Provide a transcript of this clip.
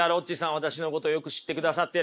私のことよく知ってくださってる。